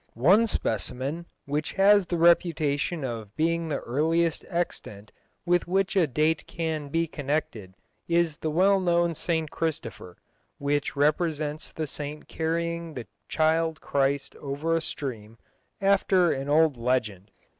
One specimen, which has the reputation of being the earliest extant with which a date can be connected, is the well known St Christopher, which represents the saint carrying the child Christ over a stream, after an old legend.